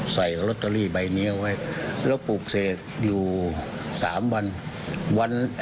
ใส่ลอตเตอรี่ใบนี้เอาไว้แล้วปลูกเสกอยู่๓วันวัน